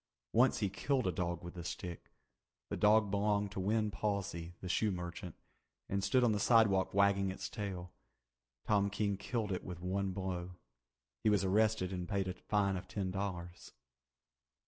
Once he killed a dog with the stick. The dog belonged to Win Pawsey, the shoe merchant, and stood on the sidewalk wagging its tail. Tom King killed it with one blow. He was arrested and paid a fine of ten dollars.